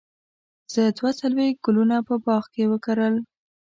زه دوه څلوېښت ګلونه په باغ کې وکرل.